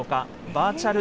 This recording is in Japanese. バーチャル